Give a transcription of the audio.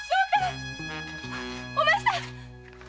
お前さん！